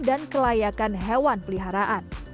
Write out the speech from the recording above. dan kelayakan hewan peliharaan